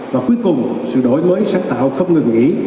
và cuối cùng sự đổi mới sáng tạo không ngừng nghỉ